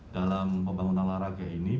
dalam pembangunan olahraga ini